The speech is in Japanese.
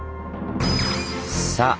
さあ！